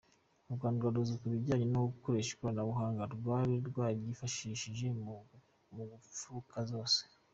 U Rwanda ruzwi ku bijyanye no gukoresha ikoranabuhanga rwari rwaryifashishije mu mfuruka zose.